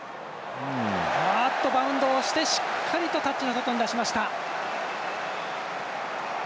バウンドをして、しっかりとタッチの外に出しました。